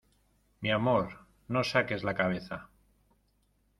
mi amor, no saques la cabeza.